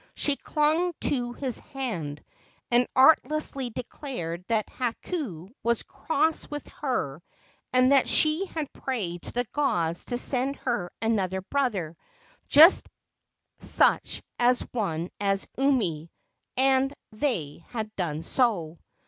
She clung to his hand, and artlessly declared that Hakau was cross with her and that she had prayed to the gods to send her another brother, just such a one as Umi, and they had done so.